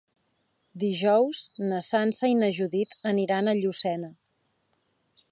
Dijous na Sança i na Judit aniran a Llucena.